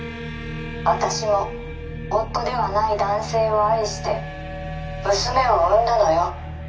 私も夫ではない男性を愛して娘を産んだのよ。